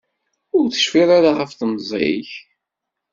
Ur tecfiḍ ara ɣef temẓi-k.